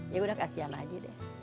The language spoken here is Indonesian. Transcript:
ya udah kasihan aja deh